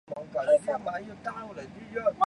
担任天津滨海新区塘沽环卫工人。